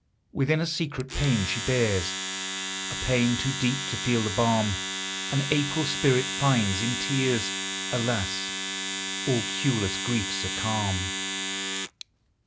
Within, a secret pain she bears, — A pain too deep to feel the balm An April spirit finds in tears; Alas ! all cureless griefs are calm